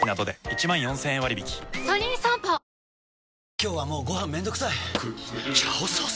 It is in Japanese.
今日はもうご飯めんどくさい「炒ソース」！？